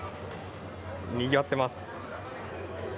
にぎわっています。